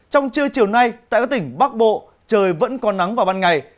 trong trưa chiều nay tại các tỉnh bắc bộ trời vẫn có nắng vào ban ngày